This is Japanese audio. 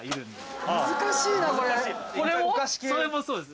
それもそうです。